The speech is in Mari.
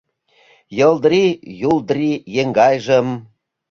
Йылдри-йулдри еҥгайжым